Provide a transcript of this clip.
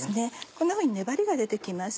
こんなふうに粘りが出て来ます。